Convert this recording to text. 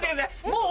もう。